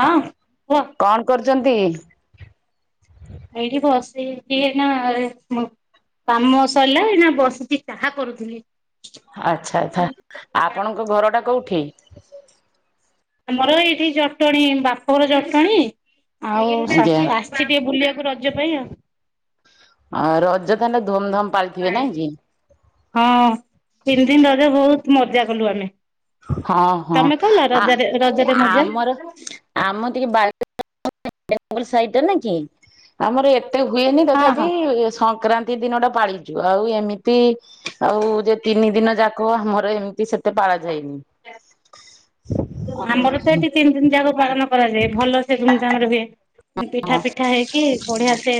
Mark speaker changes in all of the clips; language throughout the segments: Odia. Speaker 1: ହଁ କୁହ।
Speaker 2: ଛନ୍ତି
Speaker 1: ଏଇଠି ବସି କି ଏନା କାମ ସରିଲା ଏଇନା ବସିିକି ଚାହା କରୁଥିଲି।
Speaker 2: ଆଛା ଆଛା ଆପଣଙ୍କ ଘରଟା କୋଉଠି? [inaudible]
Speaker 1: ଆମର ଏଇଠି ଜଟଣୀ ବାପଘର ଜଟଣୀ ଆଉ
Speaker 2: ଆଜ୍ଞା
Speaker 1: ଆସିଚି ଟିକେ ବୁଲିବାକୁ। ରଜ ପାଇଁ ଆଉ
Speaker 2: ଆ ରଜ ତ
Speaker 1: ହଁ ତିନି ଦିନ ରଜ ବହୁତ ମଜା କଲୁ ଆମେ
Speaker 2: ହଁ ହଁ
Speaker 1: ତମେ କଲ
Speaker 2: ଆ
Speaker 1: ରଜରେ ରଜରେ ମଜା
Speaker 2: ଆମର ଆମ ଟିକେ ବା ବଙ୍ଗ ସାଇା ଟା ନାଆକି ଆମର ଏ ଏତେ ହୁଏନି
Speaker 1: ହଁ
Speaker 2: ତଥାପି
Speaker 1: ହଁ
Speaker 2: ସଂକ୍ରାନ୍ତି ଦିନ ଟା ପାଳିଛୁ ଆଉ ଏମିତି ଆଉ ଯେ ତିନି ଦିନ ଯାକ ଆମର ଏମିତି ସେତେ ପାଳ ଯାଇନି
Speaker 1: ଆମର ତ ଏଠି ତିନି ତିନି ଜାକ ପାଳନ କରାଯାଏ ଭଲ ସେ ଧୁମଧାମ ରେ ହୁଏ। ପିଠା
Speaker 2: ହଁ
Speaker 1: ଫିଠା ହେଇକି ବଢିଆ ସେ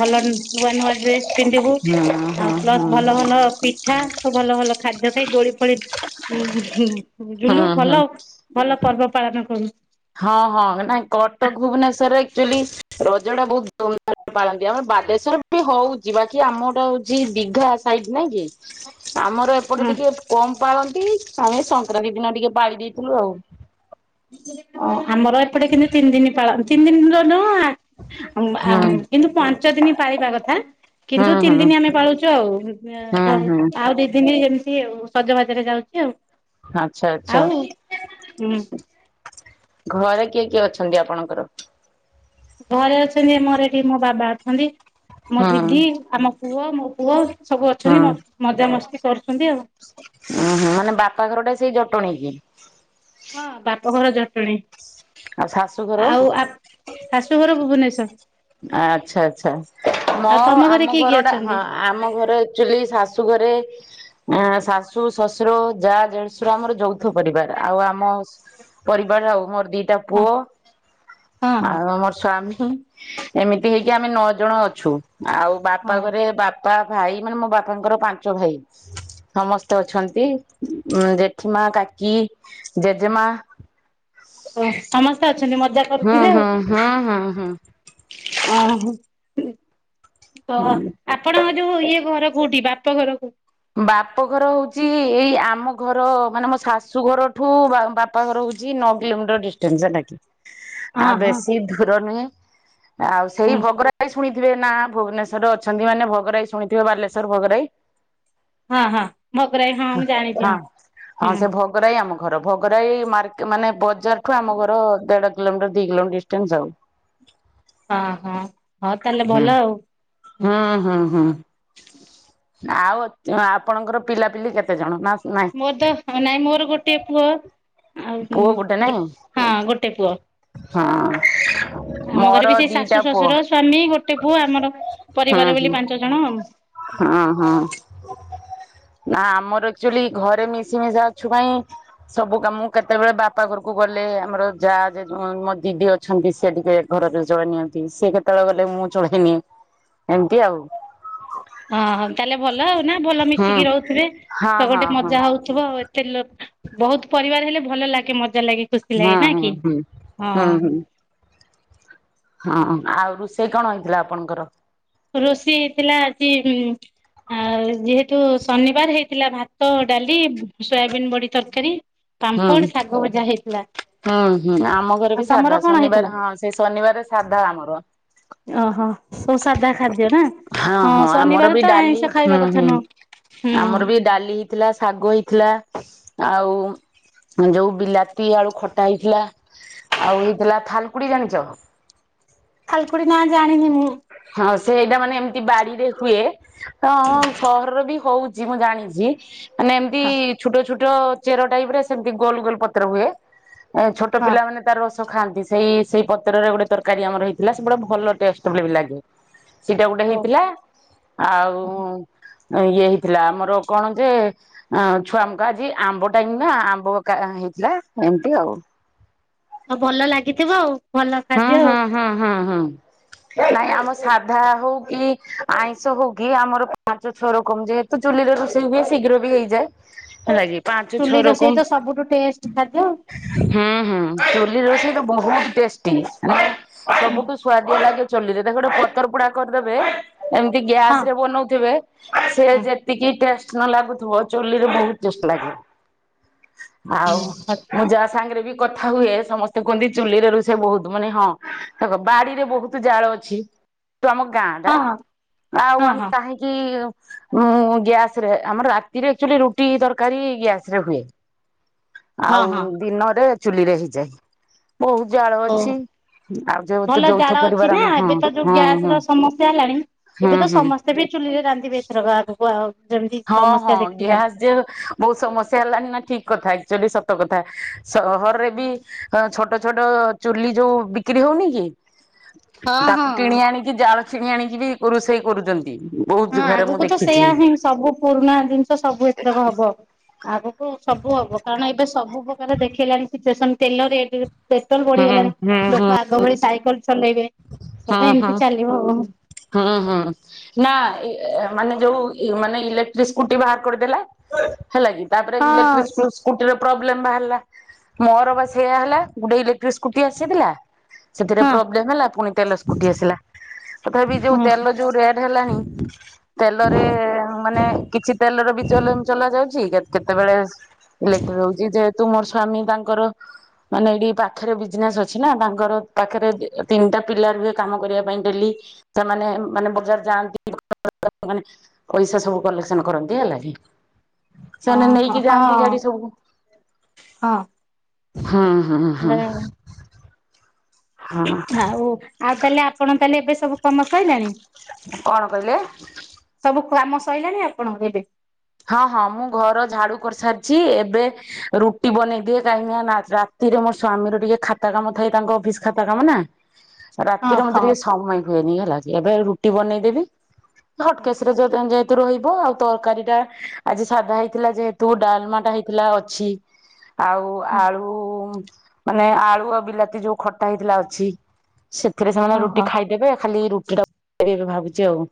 Speaker 1: ଭଲ ନୂଆ ନୂଆ ଡ୍ରେସ ପିନ୍ଧିବୁ
Speaker 2: ହଁ ହଁ
Speaker 1: ଆଉ
Speaker 2: ହଁ
Speaker 1: ପ୍ଲସ ଭଲ ଭଲ ପିଠା ସବୁ ଭଲ ଭଲ ଖାଦ୍ୟ ଖାଇ ଦୋଳି ଫୋଳି ହୁଁ ହୁଁ ଜୁଲୁ
Speaker 2: ହଁ ହଁ
Speaker 1: ଭଲ ଭଲ ପର୍ବ ପାଳନ କରୁ।
Speaker 2: ହଁ ହଁ ନାଇ କଟକ ଭୁବନେଶ୍ୱରରେ ଆକଚ୍ୟେଲି ରଜ ଟା ବହୁତ ଧୁମଧାମରେ ପାଳନ୍ତି ଆମର ବାଲେଶ୍ୱର ବି ହଉ ଯିବା କି ଆମର ଟା ହଉଛି ଦିଘା ସାଇଡ ନାଇଁ କି। ଆମର ଏପଟେ
Speaker 1: ହଁ
Speaker 2: ଟିକେ କମ୍ ପାଳନ୍ତି। ଆମେ ସଂକ୍ରାନ୍ତି ଦିନ ଟିକେ ପାଳି ଦେଇଥିଲୁ ଆଉ
Speaker 1: ହଁ। ଆମର ଏପଟେ କିନ୍ତୁ ତିନି ଦିନ ପାଳନ୍ତି। ତିନ ଦିନର
Speaker 2: ହୁଁ ହୁଁ
Speaker 1: କିନ୍ତୁ ପାଞ୍ଚ ଦିନ ପାଳିବା କଥା କିନ୍ତୁ ତିନି
Speaker 2: ହୁଁ।
Speaker 1: ଦିନ ଆମେ ପାଳୁଛୁ ଆଉ,
Speaker 2: ହୁଁ ହୁଁ
Speaker 1: ଆଉ ଦି ଦିନି ତି ଆଉ ସଜବାଜରେ ଯାଉଛି ଆଉ।
Speaker 2: ଆଚ୍ଛା ଆଚ୍ଛା।
Speaker 1: ଆଉ ହୁଁ।
Speaker 2: ଘରେ କିଏ କିଏ ଅଛନ୍ତି ଆପଣଙ୍କର?
Speaker 1: ଘରେ ଅଛନ୍ତି ମୋର ଏଠି ମୋ ବାବା ଅଛନ୍ତି। ମ
Speaker 2: ହୁଁ
Speaker 1: ଦିଦି ଆମ ପୁଅ ମୋ ପୁଅ ସବୁ ଅଛନ୍ତି ମ ମଜାମସ୍ତି କରୁଛନ୍ତି ଆଉ।
Speaker 2: ଉ ହୋ ମାନେ ବାପା ଘର ଟା ସେଇ ଜଟଣୀ ହିଁ।
Speaker 1: ହଁ ବାପଘର ଜଟଣୀ।
Speaker 2: ଆଉ ଶାଶୁଘର?
Speaker 1: ଆଉ ଆ ଶାଶୁଘର ଭୁବନେଶ୍ ଛା।
Speaker 2: ଆଚ୍ଛା ଆଛା ମୋ
Speaker 1: ଆଉ ତମ ଘରେ
Speaker 2: ଆମ
Speaker 1: କିଏ କିଏ
Speaker 2: ଘରଟା ହଁ
Speaker 1: ଅଛନ୍ତି?
Speaker 2: ଆମ ଘରେ ଏକ୍ଚୁଏଲି ଶାଶୁ ଘରେ ଆ ଶାଶୁ ଶ୍ୱଶୁର ଯା ଦେଢଶୁର ଆମର ଯଉ ପରିବାର ଆଉ ଆମ ପରିବାର ଆଉ ମୋର ଦିଟା
Speaker 1: ହଁ
Speaker 2: ପୁଅ
Speaker 1: ହଁ
Speaker 2: ଆଉ ମର ସ୍ଵାମୀ ହୁଁ। ଏମିତି
Speaker 1: ହଁ।
Speaker 2: ହେଇକି ଆମେ ନଅ ଜଣ ଅ ଛୁ। ଆଉ ବାପା ଘରେ ବାପା ଭାଇ ମାନେ ମୋ ବାପାଙ୍କର ପାଣ୍ ଚ ଭାଇ ସମସ୍ତ ତ ଅଛନ୍ତି ଉ ଜେଠିମା କାକି ଜେଜେମା
Speaker 1: ଓ ସମସ୍ତେ ଅଛନ୍ତି ମ।
Speaker 2: ହଁ ହଁ ହଁ ହଁ ହଁ।
Speaker 1: ଓହୋ। ତ ଆପଣଙ୍କ ଯୋଉ ଇଏ ଘର କୋଉଠି ବା ପ ଘରକୁ
Speaker 2: ବାପଘର ହଉଛି ଏଇ ଆମ ଘର ମାନେ ମୋ ଶାଶୁ ଘରଠୁ ବା ବାପାଘର ହଉଛି ନ କିଲୋମିଟର ଡିଷ୍ଟଟାନ୍ସ ଲାଗି କି
Speaker 1: ହଁ
Speaker 2: ଆଉ
Speaker 1: ହଁ
Speaker 2: ବେଶୀ ଦୂର ନୁହେଁ ଆଉ ସେଇ [unintelligible] ଶୁଣିଥିବେ ନା ଭୁବନେଶ୍ୱରେ ଅଛନ୍ତି ମାନେ ଭଗରାଇ ଶୁଣିଥିବେ ବାଲେଶ୍ଵର ଭଗରାଇ
Speaker 1: ହଁ ହଁ ଭଗରାଇ ହଁ ମୁଁ ଜାଣିଛି ହଁ
Speaker 2: ହଁ
Speaker 1: ହୁଁ
Speaker 2: ସେ ଭଗରାଇ ଆମ ଘର ଭଘରାଇ ମର୍କ ମାନେ ବ ବଜାରଠୁ ଆମ ଘର ଦେଢ- କିଲୋମିଟର ଦିଇ କିଲୋମିଟର ଡିଷ୍ଟେନ୍ସ ଯାଉ।
Speaker 1: ହଁ ହଁ। ହଁ ତାହେଲେ ଭଲ ଆଉ।
Speaker 2: ହଁ ହଁ। ହୁଁ ଆଉ ଆପଣଙ୍କର ପିଲାପିଲି କେତେ ଜଣ ନା। ନାଇଁ?
Speaker 1: ମୋର ତ ନାଇଁ ମୋର ଗୋଟେ ପୁଅ ଆଉ
Speaker 2: ପୁଅ ଗୋଟେ ନାଇଁ
Speaker 1: ହଁ ଗୋଟେ ପୁଅ
Speaker 2: ହଁ
Speaker 1: ଆମ
Speaker 2: ମୋର
Speaker 1: ଘରେ ବି ସେ
Speaker 2: ଦିଟା
Speaker 1: ଶାଶୁ
Speaker 2: ପୁଅ
Speaker 1: ଶଶୁର ସ୍ଵାମୀ ଗୋଟେ ପୁଅ ଆମର
Speaker 2: ହୁଁ
Speaker 1: ପରିବାର
Speaker 2: ହୁଁ
Speaker 1: ବୋଲି ପାଞ୍ଚ ଜଣ ଆଉ
Speaker 2: ହଁ ହଁ। ନା ଆମର ଆଚୁଆଲି ଘରେ ମିଶିମଶା ଅଛୁ ପାଇଁ ସବୁ କାମ କେତେବେଳେ ବାପା ଘରକୁ ଗଲେ ଆମର ଯାହା ମୋ ଦିଦି ଅଛନ୍ତି ସି ଟିକେ ଘରେରେ ଚଳେଇ ନିଅନ୍ତି ସିଏ କେତେବେଳେ ଗଲେ ମୁଁ ଚଳେଇନିଏ ଏମିତି ଆଉ।
Speaker 1: ହଁଉ ତାହେଲେ ଭଲ ଆଉ। ନା ଭଲ
Speaker 2: ହୁଁ
Speaker 1: ମିଶିକି ରହୁଥିବେ
Speaker 2: ହଁ
Speaker 1: ତ
Speaker 2: ହଁ
Speaker 1: ଗୋଟେ ମଜା ହଉଥିବ ଆଉ। ବହୁତ ପରିବାର ହେଲେ ଭଲ ଲାଗେ ମତେ
Speaker 2: ହଁ ହଁ ହଁ ହଁ ହଁ। ହଁ ଆଉ ରୋଷେଇ କଣ ହେଇଥିଲା ଆପଣଙ୍କର
Speaker 1: ରୋଷେଇ ହେଇଥିଲା ଆଜି ଯେହେତୁ ଶନିବାର ହେଇଥିଲା ଭାତ ଡାଲି ସୋୟାବିିନ ବଡି ତରକାରୀ
Speaker 2: ହୁଁ
Speaker 1: ପାମ୍ପଡ ଶାଗ ଭଜା ହେଇଥିଲା
Speaker 2: ହୁଁ ହୁଁ ଆମ ଘରେ
Speaker 1: ଆଉ
Speaker 2: ବି
Speaker 1: ତମର
Speaker 2: ସାଧା
Speaker 1: କଣ ହେଇଥିଲା?
Speaker 2: ଶନିବାର ହଁ ସେ ଶନିବାର ସାଧା ଆମର
Speaker 1: ଓହୋ ସବୁ ସାଧା ଖାଦ୍ୟ ନା
Speaker 2: ହଁ ହଁ ଆମର
Speaker 1: ଶନିବାର
Speaker 2: ବି
Speaker 1: ତ
Speaker 2: ଡାଲି
Speaker 1: ଆଇଁଷ
Speaker 2: ହୁଁ
Speaker 1: ଖାଇବା କଥା
Speaker 2: ହୁଁ
Speaker 1: ନୁହଁ ହୁଁ
Speaker 2: ଆମର ବି ଡାଲି ହେଇଥିଲା ଶାଗ ହେଇଥିଲା ଆଉ ଯୋଉ ବିଲାତି ଆଳୁ ଖଟା ହେଇଥିଲା ଆଉ ହେଇଥିଲା ଥାଲକୁଡି ଜାଣିଛ
Speaker 1: [unintelligible] ନାଁ ଜାଣିିନି ମୁଁ
Speaker 2: ହଁ ସେଇଟା ମାନେ ଏମିତି ବାଡିରେ ହୁଏ ହଁ ହଁ ସହରରେ ବି କହୁଛି ମୁଁ ଜାଣିଛି ମାନେ ଏମିତି
Speaker 1: ହଁ
Speaker 2: ଛୋଟ ଛୋଟ ଚେର ଟାଇପରେ ସେମିତି ଗୋଲ ଗୋଲ ପତ୍ର ହୁଏ ଏ ଛୋଟ
Speaker 1: ହଁ
Speaker 2: ପିଲାମାନେ ତାର ର ଖାଆନ୍ତି। ସେଇ ସେଇ ପତ୍ରରେ ଗୋଟେ ତରକାରୀ ଆମର ହେଇଥିଲା। ସେ ଗୁଟେ ଭଲ ଟେଷ୍ଟ ବୋଲି ବି ଲାଗେ। ଗେ। ସେଇଟା ଗୋଟେ
Speaker 1: ହଉ
Speaker 2: ହେଇଥିଲା ଆଉ ଇଏ ହେଇଥିଲା ଆମର କଣ ଯେ ଆ ଛୁଆମକା ଆଜି ଆମ୍ବ ଟାଇମ୍ ନା ଆମ୍ବ କା ହେଇଥିଲା। ଏମତି ଆଉ।
Speaker 1: ଆଉ ଭଲ ଲାଗିଥିବ ଆଉ? ଭଲ
Speaker 2: ହଁ
Speaker 1: ଖାଦ୍ୟ ଆଉ
Speaker 2: ହଁ ହଁ ହଁ ହଁ। ନାଇଁ ଆମ ସାଧା ହଉ କି ଆଇଁଷ ହଉ କି ଆମର ପାଞ୍ଚ ଛଅ ର କମ ଯେହେତୁ ଚୁଲିରେ ରୋଷେଇ ହୁଏ ଶୀଘ୍ର ବି ହେଇଯାଏ ହେଲାକି। ପାଞ୍ଚ ଛଅ
Speaker 1: ଚୁଲି ରୋଷେଇ
Speaker 2: ରକମ।
Speaker 1: ତ ସବୁଠୁ ଟେଷ୍ଟ ଖାଦ୍ୟ ଆଉ
Speaker 2: ହୁଁ ହୁଁ। ଚୁଲି ରୋଷେ ବହୁତ ଟେଷ୍ ଷ୍ଟି। ସବୁଠୁ ସୁଆଦିଆ ଲାଗେ। ଚୁଲିରେ ତାକୁ ଗୋଟେ ପତର ପୋଡା କରିଦେବେ। ଏମିତି
Speaker 1: ହଁ
Speaker 2: ଗ୍ୟାସରେ ବନଉଥିବେ, ସେ
Speaker 1: ହଁ
Speaker 2: ଯେତିକି ଟେଶ୍ ନ ଲାଗୁଥିବ ଚୁଲିରେ ବହୁତ ଟେଷ୍ଟ ଲାଗେ। ଆଉ ମୁଁ ଯାହା ସାଙ୍ଗରେ ବି କଥା ହୁଏ ସମସ୍ତେ କୁହନ୍ତି ଚୁଲିରେ ରୋଷେ ଇ ବହୁତ ମାନେ ହଁ ତାଙ୍କ ବାଡିରେ ବହୁତ ଜାଳ ଅଛି। କିନ୍ତୁ ଆମ ଗାଁ ଟା
Speaker 1: ହଁ
Speaker 2: ଆଉ
Speaker 1: ହଁ ହଁ
Speaker 2: ଆମେ
Speaker 1: ହଁ
Speaker 2: କାହିଁକି ଉଁ ଗ୍ୟାସ ରେ ଆମର ରାତି ଏକ୍ଚୁଆଲି ରୁଟି ତରକାରୀ ଗ୍ୟାସରେ ହୁଏ। ଆଉ
Speaker 1: ହଁ ହଁ
Speaker 2: ଦିନରେ ଚୁଲିରେ ହେଇଯାଏ ବହୁତ ଜାଳ
Speaker 1: ହଉ
Speaker 2: ଅଛି ଆଉ ଯଉ ତ
Speaker 1: ଭଲ ଜାଳ
Speaker 2: ଯୌଥ
Speaker 1: ଅଛି
Speaker 2: ପରିବାର
Speaker 1: ନା
Speaker 2: ଆମ ହଁ
Speaker 1: ଏବେ ତ ଯୋଉ
Speaker 2: ହୁଁ
Speaker 1: ଗ୍ୟାସ
Speaker 2: ହୁଁ।
Speaker 1: ର ସମସ୍ୟା ହେଲାଣି ଏବେ ତ ସମସ୍ତେ ବି ଚୁଲିରେ ରାନ୍ଧିବେ ଏଥରକ ଆଗକୁ। କୁହା
Speaker 2: ହଁ ହଁ ଗ୍ୟାସ ଯେ ବହୁତ ସମସ୍ୟା ହେଲାଣିି ନା ଠିକ କଥା। ଚୂଆଲି ସତ କଥା। ସହରରେ ବି ଅ ଛୋଟ ଛୋଟ ଚୁଲି ଯଉ ବିକ୍ରି ହଉନି କି?
Speaker 1: ହଁ
Speaker 2: ତାକୁ
Speaker 1: ହଁ
Speaker 2: କିଣି ଆଣିକି ଜାଳ କିଣି ଆଣିକି ବି ରୋଷେଇ କରୁଛନ୍ତି।
Speaker 1: ହଁ
Speaker 2: ବହୁତ ଘରେ ମୁଁ
Speaker 1: ଆଗକୁ ତ
Speaker 2: ଦେଖିଛି
Speaker 1: ସେୟଆ ହିଁ ସବ ସବୁ ପୁରୁଣା ଜିନିଷ ସବୁ ଏଥରକ ହବ। ଆଗକୁ ସବୁ ହବ କାରଣ ଏବେ ସବୁ ପ୍ରକାର ଦେଖେଇଲାଣି ସିଚୁଏସନ। ତେଲ ରେଟ କେତ ପେଟ୍ରୋଲ
Speaker 2: ହୁଁ
Speaker 1: ବଢିଗଲାଣି। ଲୋକ ଆଗ ଭଳି ସାଇକେଲ ଚଲେଇବେ। ସବୁ
Speaker 2: ହଁ ହଁ
Speaker 1: ଏମିତି ଚାଲିବ ଆଉ।
Speaker 2: ହଁ ହଁ ନା। ଏ ମାନେ ଯଉ ମାନେ ଇଲେକ୍ଟ୍ରିକ ସ୍କୁଟି ବାହାର କରିଦେଲା। ହେଲା କି ତାପରେ
Speaker 1: ହଁ
Speaker 2: ଇଲେକ୍ଟ୍ରିକ ସ୍କୁ
Speaker 1: ସି
Speaker 2: ସ୍କୁଟିରେ ପ୍ରୋବଲେମ ବାହାରିଲା ମୋର ବା ସେଇ ସେଇଆ ହେଲା। ଗୁଟେ ଇଲେକ୍ଟ୍ରିକ ସ୍କୁଟି ଆସିଥିଲା, ସେଥିରେ
Speaker 1: ହଁ
Speaker 2: ପ୍ରୋବଲେମ ହେଲା। ପୁଣି ତେଲ ସ୍କୁଟି ଆସିଲା। ତଥାପି ଯଉ
Speaker 1: ହଁ
Speaker 2: ତେଲ ଯଉ ରେଟ ହେଲାଣି ତେଲରେ ମାନେ କିଛି ତେଲର ବି ଚଲେ ଚଲା ଯାଉଚି, କେତେବେଳେ ଇଲେକ୍ଟ୍ର ହଉଚି ଯେହେତୁ ତୁ ମୋର ସ୍ଵାମୀ ତାଙ୍କର ମାନେ ଏଇଠି ପାଖରେ ବିଜନେସ୍ ଅଛି ନା ତାଙ୍କର ପାଖରେ ତିନିଟା ପିଲା ରୁହେ କାମ କରିବା ପାଇଁ ଡେଲି। ସେମାନେ ମାନେ ବଜାର ଯାଆନ୍ତି। [unintelligible] ପଇସା ସବୁ କଲେକ୍ସନ କରନ୍ତି ହେଲା କି? ସେମାନେ
Speaker 1: ଓହୋ
Speaker 2: ନେଇକି ଯାଆନ୍ତି
Speaker 1: ହଁ
Speaker 2: ଗାଡି ସବୁ।
Speaker 1: ହଁ।
Speaker 2: ହଁ ହଁ ହଁ।
Speaker 1: ହେଲେ ଆଉ ଆଉ ତାହାଲେ ଆପଣ ତାହେଲେ ଏବେ ସବୁ କାମ ସଇଲାଣି?
Speaker 2: କଣ କହିଲେ?
Speaker 1: ସବୁ କାମ ସରିଲଣି ଆପଣଙ୍କ ଏବେ?
Speaker 2: ହଁ ହଁ ମୁଁ ଘର ଝାଡୁ କରିସାରିଚି। ଏବେ ରୁଟି ବନେଇ ଦିଏ କାହିଁକି ନା ରାତିରେ ମୋ ସ୍ଵାମୀର ଟିକେ ଖାତା କାମ ଥାଏ ତାଙ୍କ ଅଫିସ ଖାତା କାମ ନା?
Speaker 1: ହଁ
Speaker 2: ରାତିରେ ମତେ
Speaker 1: ହଁ।
Speaker 2: ଟିକେ ସମୟ ହୁଏନି ହେଲା ଏବେ ରୁ ଟି ବନେଇଦେବି। ହଟକେସରେ ଯ [unintelligible] ରହିବ ଆଉ ତରକାରୀ ଟା ଆଜି ସାଧା ହେଇଥିଲା ଯେହେତୁ ଡାଲମାଟା ହେଇଥିଲା ଅଛି। ଆଉ
Speaker 1: ହଁ
Speaker 2: ଆଳୁ ମାନେ ଆଳୁ ଆ ବିଲାତି ଯଉ ଖଟା ହେଇଥିଲା ଅଛି। ସେଥିରେ ସେମାନେ ରୁଟି
Speaker 1: ଓହୋ
Speaker 2: ଖାଇଦେବେ ଖାଲି ରୁଟି ଟା [unintelligible] ଭାବୁ ଯାଉ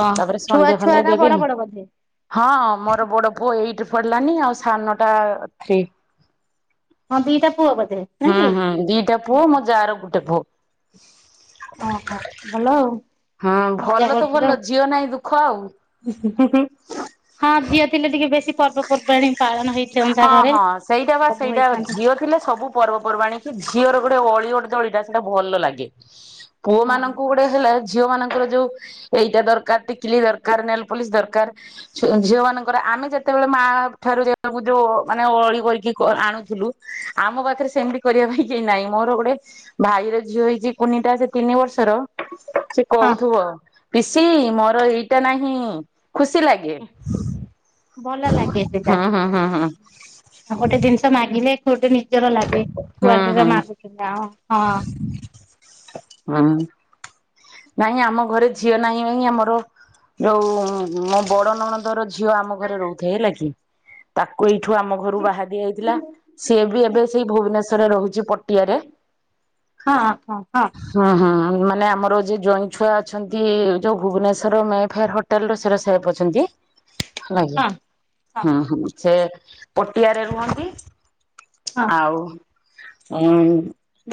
Speaker 1: ଓ ଛୁଆ ଛୁଆଟା ବଡ ବଡ? ବୋଧେ
Speaker 2: ହଁ ମୋର ବଡ ପୁଅ ଏଇଟ ପଡିଲାନି ଆଉ ସାନଟା ଥ୍ରି।
Speaker 1: ହଁ ଦିଟା ପୁଅ ବଧେ?
Speaker 2: ହୁଁ ହୁଁ। ଦିଟା ପୁଅ। ମୋ ଯାର ଗୋଟେ ପୁଅ। [inaudible]
Speaker 1: ହଁ ହଁ ଭଲ ଆଉ। ମଜା କରୁଥିବ?
Speaker 2: ଖ ଆଉ।
Speaker 1: ପର୍ବ ପର୍ବାଣି ପାଳନ ହେଇଥାନ୍ତା
Speaker 2: ହଁ
Speaker 1: ଘରେ।
Speaker 2: ହଁ ସେଇଟା ବା
Speaker 1: ସବୁ
Speaker 2: ସେଇଟା
Speaker 1: ହେଇଥାନ୍ତା
Speaker 2: ଝିଅ ଥିଲେ ସବୁ ପର୍ବପର୍ବାଣୀ କି ଝିଅର ଗୋଟେ ଅଳି ଅର୍ଦ୍ଦଳି ଟା ସେଇଟା ଭଲ ଲାଗେ ପୁଅ
Speaker 1: ହଁ
Speaker 2: ମାନଙ୍କୁ ଗୋଟେ ହେଲା ଝିଅ ମାନଙ୍କୁ ଯୋଉ ଏଇଟା ଦରକାର ଟିକିଲି ଦରକାର ନେଲ ପୋଲିସ ଦରକାର ଝିଅ ମାନଙ୍କର ଆମେ ଯେତେବେଳେ ମା ଠାରୁ? ଯୋଉ ମାନେ ଅଳି କରିକି ଆଣୁଥିଲୁ ଆମ ପାଖରେ ସେମତି କରିବା ପାଇଁ କେ ନହିଁ ମୋର ଗୋଟେ ଭାଇର ଝିଅ ହେଇଛି କୁନିଟା ସେ ତିନି ବର୍ଷର? ସେ
Speaker 1: ହଁ
Speaker 2: କହୁଥିବ ପିଇସି ମୋର ଏଇଟା ନାହିଁ ଖୁସି ଲାଗେ
Speaker 1: ଭଲ ଲାଗେ ସେଇଟା
Speaker 2: ହୁଁ ହୁଁ ହୁଁ ହୁଁ
Speaker 1: ଆ ଗୋଟେ ଜିନିଷ ମାଗିଲେ [inaudible] ନି [unintelligible] ଲାଗେ
Speaker 2: ହୁଁ
Speaker 1: ଛୁଆଟିର
Speaker 2: ହୁଁ
Speaker 1: [unintelligible]
Speaker 2: ହୁଁ। ନାଇଁ ଆମ ଘରେ ଝିଅ ନାହିଁ ଭାଇଁ ଆମର ଯୋଉ ଉମ୍-ମୋ ବଡ ନଣ ଧର ଝିଅ ଆମ ଘରେ ରହୁଥାଏ ହେଲା କି? ତାକୁ ଏଠୁ ଆମ ଘରୁ ବାହା ଦିଆଯାଇଥିଲା ସିଏ ବି ଏବେ ସେଇ ଭୁବନେଶ୍ୱରରେ ରହୁଛି। ପଟିଆରେ।
Speaker 1: ହଁ ହଁ ହଁ।
Speaker 2: ହୁଁ ହୁଁ ମାନେ ଆମର ଯେ ଜଇଁ ଛୁଆ ଅଛନ୍ତି ଯୋଉ ଭୁବନେଶ୍ଵର ମେ ଫେୟାର ହୋଟେଲ ସେର ସାହେବ ଅଛନ୍ତି। [inaudible]
Speaker 1: ହଁ ହଁ
Speaker 2: ହୁଁ ହୁଁ। ସେ ପଟିଆରେ ରୁହନ୍ତି।
Speaker 1: ହଁ
Speaker 2: ଆଉ। ହୁଁ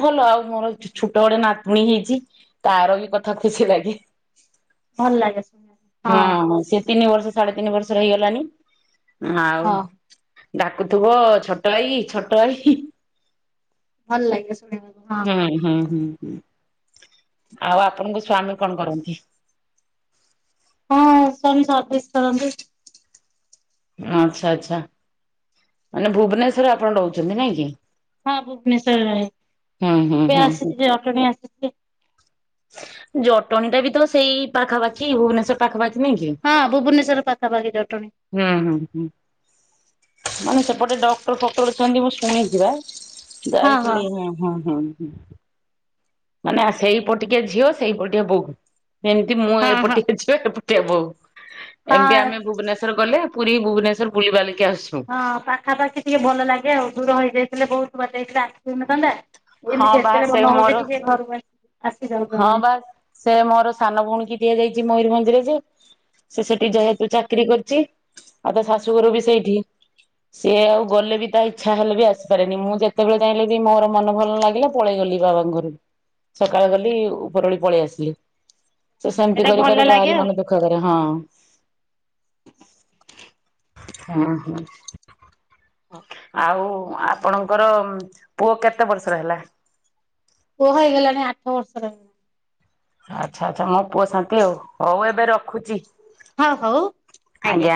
Speaker 2: ଭଲ ଆଉ ମୋର ଛୋଟ ବଡେ ନାତୁଣୀ ହେଇଛି ତାର ବି କଥା ତା ଖୁସିଲାଗି।
Speaker 1: ଭଲ ଲାଗେ ଶୁଣିବାକୁ
Speaker 2: ହଁ ସେ ତିନି ବର୍ଷ ସାଢେ ତିନି ବର୍ଷର ହେଇଗଲାଣି। ଆଉ
Speaker 1: ହଁ।
Speaker 2: ଡା [unintelligible] ଥିବ ଛୋଟ ଭାଇ ଛୋଟ ଭାଇ ହି -ହି।
Speaker 1: ଭଲ ଲାଗେ ଶୁଣିବାକୁ ହଁ।
Speaker 2: ହୁଁ ହୁଁ ଆଉ ଆପଣଙ୍କ ସ୍ଵାମୀ କଣ କରନ୍ତି?
Speaker 1: ହଁ ସ୍ୱାମୀ ସର୍ଭିସ୍ କରନ୍ତି।
Speaker 2: ଆଚ୍ଛା ଆଛା ମାନେ ଭୁବନେଶ୍ୱରରେ ଆପଣ ରହୁଛନ୍ତି ନାଇଁ କି?
Speaker 1: ହଁ ଭୁବନେଶ୍ଵରରେ
Speaker 2: ହୁଁ ହୁଁ
Speaker 1: [unintelligible]
Speaker 2: ହୁଁ ହୁଁ।
Speaker 1: ଆସିଛି ଜଟଣୀ ଆସି ହୁଁ
Speaker 2: ଜଟଣୀ ଟା ବି ତ ସେଇ ପାଖାପାଖି ଭୁବନେଶ୍ଵର ପାଖାପାଖି [inaudible] ହୁଁ ହୁଁ
Speaker 1: ହଁ ଭୁବନେଶ୍ଵର ପାଖାପାଖି ଜଟଣୀ
Speaker 2: ହୁଁ ମାନେ [inaudible] ଗୋଟେ ଡକ୍ଟର ପକଳୁଛନ୍ତି ମୁଁ ଶୁଣିଛି ବା।
Speaker 1: ହଁ ହଁ
Speaker 2: ଯାଇଥିଲି ହୁଁ ହୁଁ ହୁଁ। ହ ମାନେ ସେଇପଟିକା ଝିଅ ସେଇପଟିକା ବୋହୁ। ଏମିତି ମୁଁ
Speaker 1: ହଁ ହଁ।
Speaker 2: ଏପଟିକେ ଝିଅ ଏପ [unintelligible]
Speaker 1: ହଁ
Speaker 2: ଏମତି ଆମେ ଭୁବନେଶ୍ୱର ଗଲେ ପୁରୀ ଭୁବନେଶ୍ୱର ବୁଲିବାଲି
Speaker 1: ହଁ ପାଖାପାଖି ଟିକେ ଭଲ ଲାଗେ ଆଉ ଦୂର ହେଇଯାଇଥିଲେ ବହୁତୁ ତୁ ବା [unintelligible] କେହିଥିଲୁ ଆସିନଥାନ୍ତା।
Speaker 2: ହଁ
Speaker 1: ଏମିତି
Speaker 2: ବା
Speaker 1: ଯେତେବେଳେ
Speaker 2: ସେ
Speaker 1: ମନ ହଉଚି
Speaker 2: ମୋର
Speaker 1: ଟିକେ ଘରକୁ ଆସି ଆସି ଯାଉଛୁ
Speaker 2: ହଁ
Speaker 1: ଆମେ।
Speaker 2: ବାସ ସେ ମୋର ସାନ ଭଉଣୀ କି ଦିଆଯଆଇ ଯେ ମୟୂରଭଞ୍ଜ ରେ ଯେ ସେ ସେଠି ଯେହେତୁ ଚାକିରି କରିଚି ଆଉ ତା ଶାଶୁଘର ବି ସେଇଠି। ସିଏ ଆଉ ଗଲେ ବି ତାଇ ଇଚ୍ଛା ହେଲେ ବି ଆସିପାରେନି ମୁଁ ଯେତେବେଳେ ଚାହିଁଲେ ବି ମୋର ମନ ଭଲ ଲାଗିଲା ପଳେଇ ଗଲି ବାବାଙ୍କ ଘରକୁ। ସକାଳେ ଗଲି ଉପରବେଳି ପଳେଇ ଆସିଲି। ସେ ସେମିତି
Speaker 1: ସେଇଟା ଭଲ
Speaker 2: କରିପାରେ
Speaker 1: ଲାଗେ
Speaker 2: ବାଆରି
Speaker 1: ଆଉ।
Speaker 2: ମନ ଦୁଃଖ କରେ ହଁ। [inaudible] ହଁ ହଁ। ଆଉ ଆପଣଙ୍କର ପୁଅ କେତେ ବର୍ଷର ହେଲା?
Speaker 1: ପୁଅ ହେଇଗଲାଣି ଆଠ ବର୍ଷ ର।
Speaker 2: ଆଚ୍ଛା ଆଚ୍ଛା ମୋ ପୁଅ ଶାନ୍ତି ଆଉ ହଉ ଏବେ ରଖୁଚି।
Speaker 1: ହଉ ହଉ ଆଜ୍ଞା